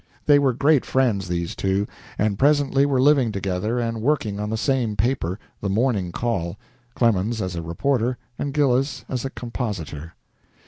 They were great friends, these two, and presently were living together and working on the same paper, the "Morning Call," Clemens as a reporter and Gillis as a compositor.